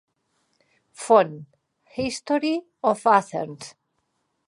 Font: "History of Athens".